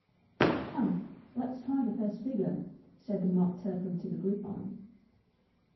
‘Come, let’s try the first figure!’ said the Mock Turtle to the Gryphon.